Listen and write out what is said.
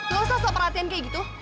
gak usah soal perhatian kayak gitu